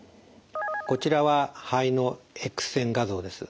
こちらは肺のＸ線画像です。